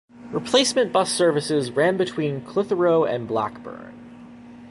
Replacement bus services ran between Clitheroe and Blackburn.